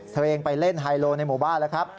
ตัวเองไปเล่นไฮโลในหมู่บ้านแล้วครับ